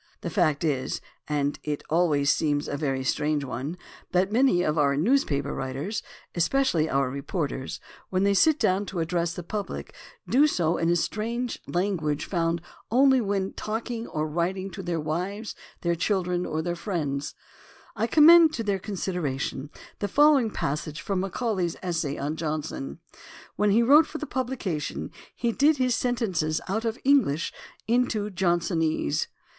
The fact is, and it always seems a very strange one, that many of our newspaper writers, es pecially our reporters, when they sit down to address the public do so in a strange language found only in THE ORIGIN OF CERTAIN AMERICANISMS 265 newspapers and which they would never think of using when talking or writing to their wives, their children, or their friends. I conunend to their consideration the following passage from Macaulay's Essay on Johnson: When he wrote for publication, he did his sentences out of English into Johnsonese.